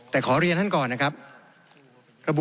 แต่ขอเรียนท่านก่อนนะครับ